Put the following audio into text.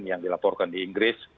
yang dilaporkan di inggris